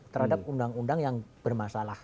terhadap undang undang yang bermasalah